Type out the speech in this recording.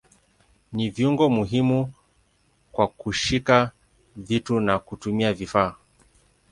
Ni viungo muhimu kwa kushika vitu na kutumia vifaa.